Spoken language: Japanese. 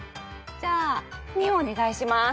じゃあ２をお願いします。